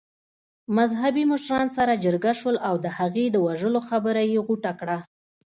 مذهبي مشران سره جرګه شول او د هغې د وژلو خبره يې غوټه کړه.